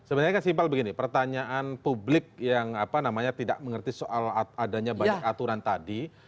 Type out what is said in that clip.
sebenarnya kan simpel begini pertanyaan publik yang tidak mengerti soal adanya banyak aturan tadi